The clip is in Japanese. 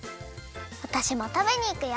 わたしもたべにいくよ！